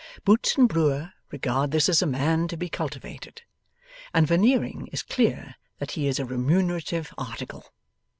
Boots and Brewer regard this as a man to be cultivated; and Veneering is clear that he is a remunerative article.